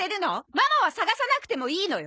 ママは探さなくてもいいのよ？